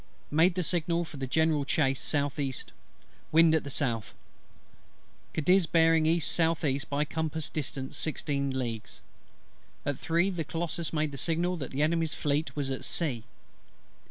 Made the signal for a general chace S.E. Wind at south; Cadiz bearing E.S.E. by compass, distance sixteen leagues. At three the Colossus made the signal that the Enemy's Fleet was at sea.